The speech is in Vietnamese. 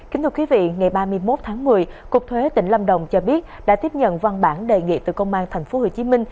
kính thưa quý vị ngày ba mươi một tháng một mươi cục thuế tỉnh lâm đồng cho biết đã tiếp nhận văn bản đề nghị từ công an tp hcm